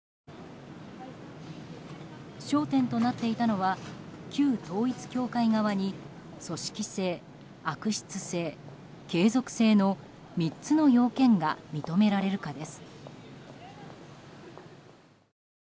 焦点となっていたのは旧統一教会側に組織性、悪質性、継続性の３つの要件が認められるかです。